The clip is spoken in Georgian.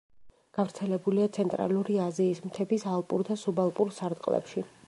გავრცელებულია ცენტრალური აზიის მთების ალპურ და სუბალპურ სარტყლებში.